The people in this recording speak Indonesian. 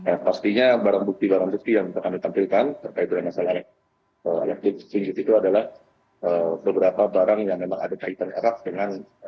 yang pastinya barang bukti barang bukti yang akan ditampilkan terkait dengan masalah elektrik itu adalah beberapa barang yang memang ada kaitan erat dengan